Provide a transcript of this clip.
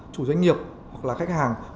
chủ doanh nghiệp hoặc là khách hàng